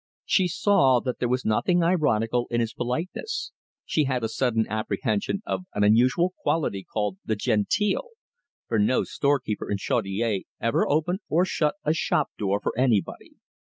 She saw that there was nothing ironical in this politeness. She had a sudden apprehension of an unusual quality called "the genteel," for no storekeeper in Chaudiere ever opened or shut a shop door for anybody.